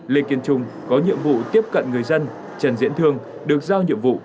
lê kiên trung có nhiệm vụ tiếp cận người dân trần diễn thương được giao nhiệm vụ